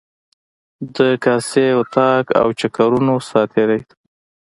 د کاسې، وطاق او چکرونو ساعتیري ده.